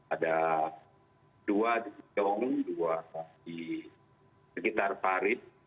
ada dua di pekong dua di sekitar paris